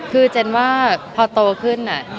คือเจนว่าพอโตขึ้น